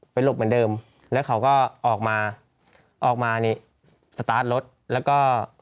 หลบเหมือนเดิมแล้วเขาก็ออกมาออกมานี่สตาร์ทรถแล้วก็